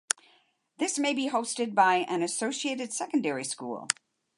This may be hosted by an associated secondary school.